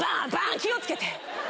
気をつけて。